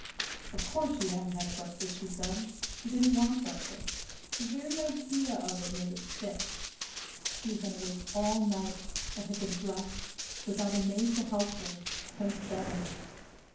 Of course she hadn't had breakfast, she said. She didn't want breakfast. The very idea of it made her sick. She had been awake all night, and had been dressed without a maid to help her since seven.